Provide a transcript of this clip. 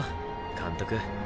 監督。